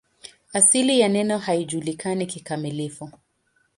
Asili ya neno haijulikani kikamilifu.